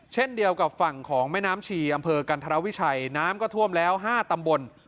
เช่นเดียวกับฝั่งของแม่น้ำชีอำเภอกันธรวิชัยน้ำก็ท่วมแล้ว๕ตำบล